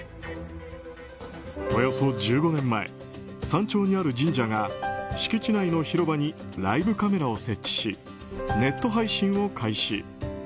およそ１５年前山頂にある神社が敷地内の広場にライブカメラを設置しネット配信を開始。